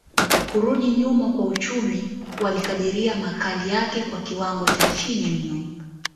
kurudi nyuma kwa uchumi walikadiria makali yake kwa kiwango cha chini mno